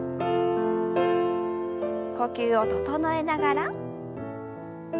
呼吸を整えながら。